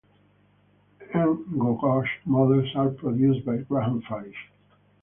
N gauge models are produced by Graham Farish.